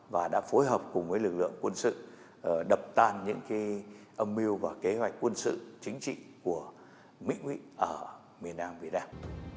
và đã phối hợp cùng với lực lượng quân sự đập tàn những âm mưu và kế hoạch quân sự chính trị của mỹ nguyễn ở miền nam việt nam